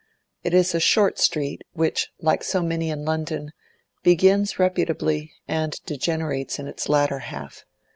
It is a short street, which, like so many in London, begins reputably and degenerates in its latter half.